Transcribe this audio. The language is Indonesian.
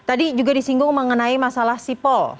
tadi juga disinggung mengenai masalah sipol